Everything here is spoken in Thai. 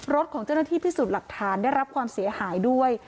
รถของเจ้าหน้าที่พิสูจน์หลักฐานได้รับความเสียหายด้วย